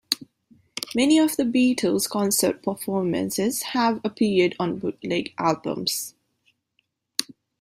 Many of The Beatles' concert performances have appeared on bootleg albums.